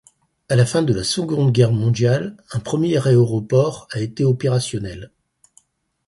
À la fin de la seconde Guerre Mondiale, un premier aéroport a été opérationnel.